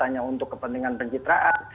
hanya untuk kepentingan pencitraan